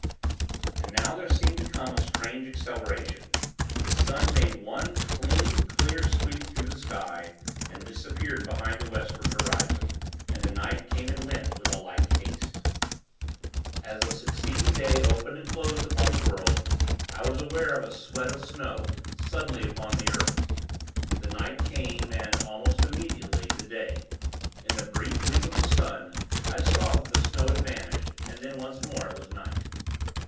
And now there seemed to come a strange acceleration. The sun made one clean, clear sweep through the sky, and disappeared behind the Westward horizon, and the night came and went with a like haste. As the succeeding day, opened and closed upon the world, I was aware of a sweat of snow, suddenly upon the earth. The night came, and, almost immediately, the day. In the brief leap of the sun, I saw that the snow had vanished; and then, once more, it was night.